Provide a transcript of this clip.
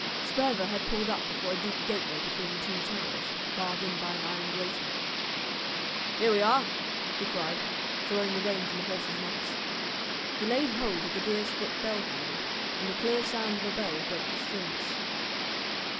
Sperver had pulled up before a deep gateway between two towers, barred in by an iron grating. "Here we are," he cried, throwing the reins on the horses' necks. He laid hold of the deer's foot bell handle, and the clear sound of a bell broke the stillness.